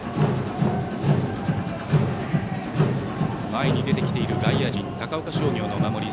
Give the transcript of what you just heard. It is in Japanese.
前に出てきている外野陣高岡商業の守り。